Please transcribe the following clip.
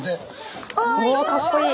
おおかっこいい。